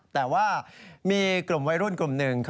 แต่ว่ามีกลุ่มวัยรุ่นกลุ่มหนึ่ง